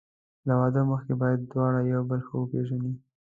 له واده مخکې باید دواړه یو بل ښه وپېژني.